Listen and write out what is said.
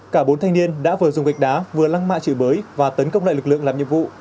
cả bốn thanh niên đã vừa dùng gạch đá vừa lăng mạ chửi bới và tấn công lại lực lượng làm nhiệm vụ